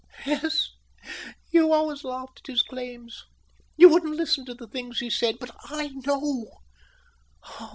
"Yes, you always laughed at his claims. You wouldn't listen to the things he said. But I know.